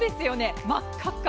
真っ赤っか。